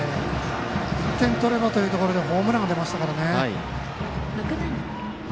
１点取ればというところでホームランが出ましたからね。